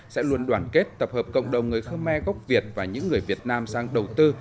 sẽ luôn đoàn kết tập hợp cộng đồng người khơ me gốc việt và những người việt nam sang đầu tư